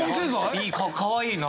いいかわいいな。